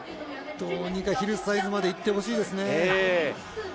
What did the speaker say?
どうにかヒルサイズまでいってほしいですね。